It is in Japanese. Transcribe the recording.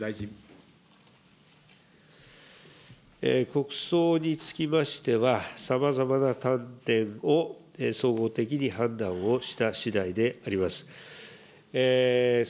国葬につきましては、さまざまな観点を総合的に判断をしたしだいであります。